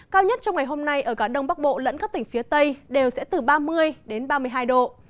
cao nhất trong ngày hôm nay ở cả đông bắc bộ lẫn các tỉnh phía tây đều sẽ từ ba mươi đến ba mươi hai độ